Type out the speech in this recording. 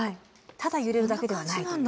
ただ揺れるだけではないという。